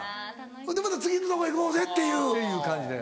ほんでまた次のとこ行こうぜっていう？っていう感じで。